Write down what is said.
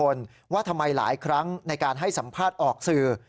ว่าทำไมหลายครั้งในการให้สัมภาษณ์ออกสื่อ